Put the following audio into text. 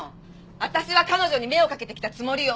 私は彼女に目を掛けてきたつもりよ。